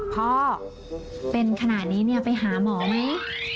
พ่อเป็นขนาดนี้เนี่ยไปหาหมอไหม